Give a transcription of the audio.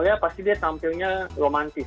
ya pasti dia tampilnya romantis